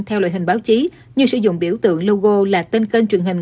theo loại hình báo chí như sử dụng biểu tượng logo là tên kênh truyền hình